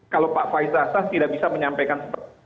kalau pak faiz asas tidak bisa menyampaikan